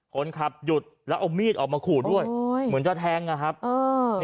คนขับหยุดแล้วเอามีดออกมาขู่ด้วยโอ้ยเหมือนจะแทงอ่ะครับเออ